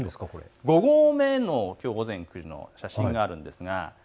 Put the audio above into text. ５合目の午前９時の写真があります。